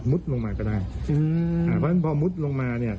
ลงมาก็ได้อืมอ่าเพราะฉะนั้นพอมุดลงมาเนี่ย